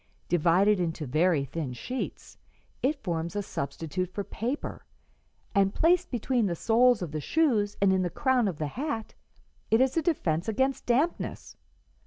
Divided into very thin sheets, it forms a substitute for paper, and placed between the soles of the shoes and in the crown of the hat it is a defence against dampness.